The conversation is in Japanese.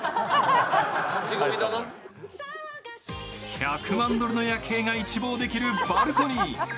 １００万ドルの夜景が一望できるバルコニー。